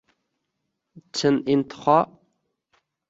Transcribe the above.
Chin intiho —